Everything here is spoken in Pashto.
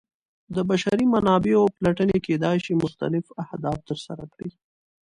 د بشري منابعو پلټنې کیدای شي مختلف اهداف ترسره کړي.